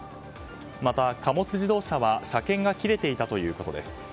また、貨物自動車は車検が切れていたということです。